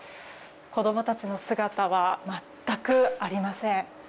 子供たちの姿は全くありません。